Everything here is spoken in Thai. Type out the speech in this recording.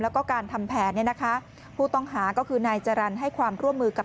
แล้วก็การทำแผนผู้ต้องหาก็คือนายจรันให้ความร่วมมือกับ